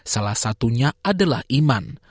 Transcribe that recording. salah satunya adalah iman